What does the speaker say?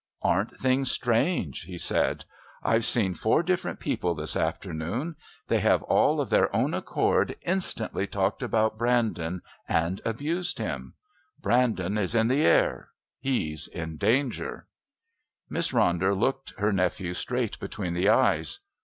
"Aren't things strange?" he said. "I've seen four different people this afternoon. They have all of their own accord instantly talked about Brandon, and abused him. Brandon is in the air. He's in danger." Miss Ronder looked her nephew straight between the eyes.